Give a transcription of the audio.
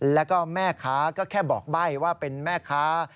แล้วก็แม่ค้าก็แค่บอกใบ้ว่าเป็นแม่ค้า